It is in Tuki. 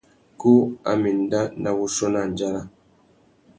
Kú a má enda nà wuchiô nà andjara.